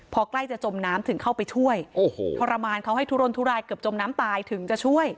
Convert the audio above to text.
พอใกล้จะจมน้ำถึงเข้าไปช่วยโอ้โหทรมานเขาให้ทุรนทุรายเกือบจมน้ำตายถึงจะช่วย